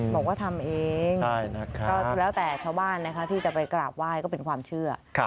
บอกว่าทำเองก็แล้วแต่ชาวบ้านนะคะที่จะไปกราบไหว้ก็เป็นความเชื่อ